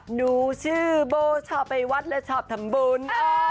หนูชื่อโบชอบไปวัดและชอบทำบุญ